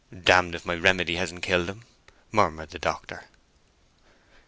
"D—d if my remedy hasn't killed him!" murmured the doctor.